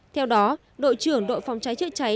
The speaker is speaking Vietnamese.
theo đó đội trưởng đội phòng cháy chữa cháy